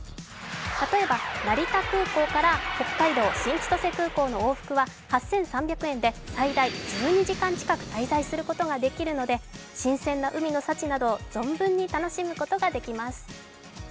例えば、成田空港から北海道・新千歳空港の往復は８３００円で最大１２時間近く滞在することができるので新鮮な海の幸などを存分に楽しむことができます。